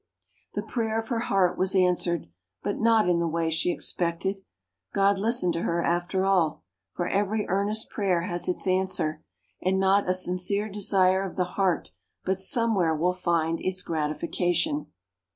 The prayer of her heart was answered, but not in the way she expected. God listened to her after all; for every earnest prayer has its answer, and not a sincere desire of the heart but somewhere will find its gratification.